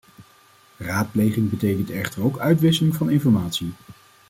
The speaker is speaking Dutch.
Raadpleging betekent echter ook uitwisseling van informatie.